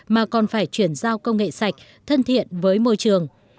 mà còn phải chuyển giao công nghệ sạch thân thiện với môi trường